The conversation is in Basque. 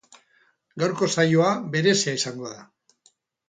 Gaurko saioa berezia izango da.